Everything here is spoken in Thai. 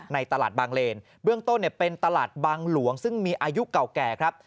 ในตลาดบางเลนเบื้องต้นเป็นตลาดบางหลวงซึ่งมีอายุเก่าแก่ครับ